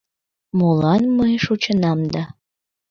Молан мые шочынам да